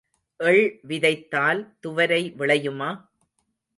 எள் விதைத்தால் துவரை விளையுமா?